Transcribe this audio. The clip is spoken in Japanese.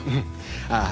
ああ。